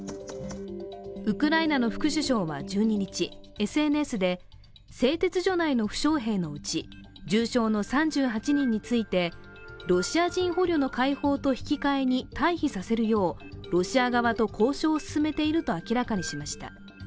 ウクライナの副首相は１２日ＳＮＳで製鉄所内の負傷兵のうち重傷の３８人についてロシア人捕虜の解放と引き換えに退避させるようロシア側と交渉を進めていると明らかにしました。